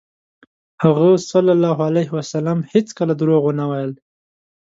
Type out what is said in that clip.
هغه ﷺ هېڅکله دروغ ونه ویل.